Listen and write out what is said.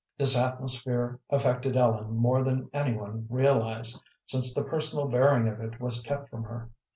This atmosphere affected Ellen more than any one realized, since the personal bearing of it was kept from her.